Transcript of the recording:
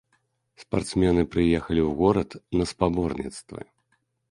Спартсмены прыехалі ў горад на спаборніцтвы.